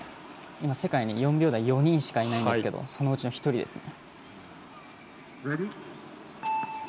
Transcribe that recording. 今、世界に４秒台３人しかいないんですがそのうちの１人ですね。